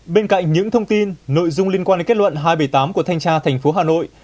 bên cạnh những thông tin nội dung liên quan đến kết luận hai trăm bảy mươi tám của thanh tra thành phố hà nội